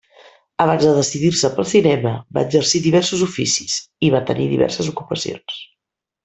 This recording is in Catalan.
Abans de decidir-se pel cinema, va exercir diversos oficis, i va tenir diverses ocupacions.